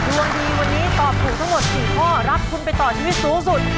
ดวงดีวันนี้ตอบถูกทั้งหมด๔ข้อรับทุนไปต่อชีวิตสูงสุด